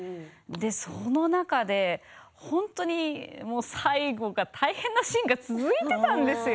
その中で本当に最後が大変なシーンが続いたんですよ。